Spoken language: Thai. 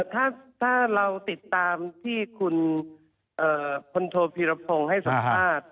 ถ้าเราติดตามที่คุณพลโทพีรพงศ์ให้สัมภาษณ์